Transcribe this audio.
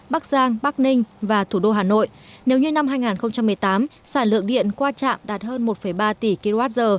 bắc giang bắc ninh và thủ đô hà nội nếu như năm hai nghìn một mươi tám sản lượng điện qua trạm đạt hơn một ba tỷ kwh